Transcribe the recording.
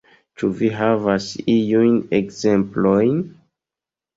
Ĉu vi havas iujn ekzemplojn?